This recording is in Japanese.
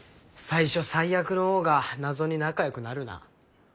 最初最悪の方が謎に仲よくなるな。